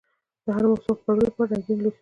د هر موسم د خوړو لپاره رنګه لوښي پکار دي.